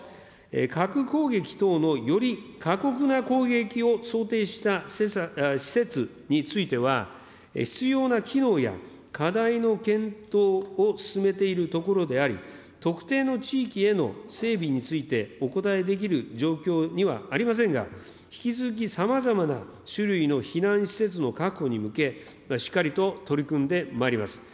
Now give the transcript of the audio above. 核攻撃等のより過酷な攻撃を想定した施設については、必要な機能や課題の検討を進めているところであり、特定の地域への整備についてお答えできる状況にはありませんが、引き続きさまざまな種類の避難施設の確保に向け、しっかりと取り組んでまいります。